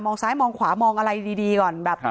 มองซ้ายมองขวามองอะไรดีก่อน